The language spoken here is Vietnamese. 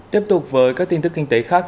tiếp tục với các tin tức kinh tế khác